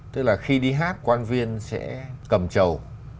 tức là khi đi hát quan viên sẽ cầm chầu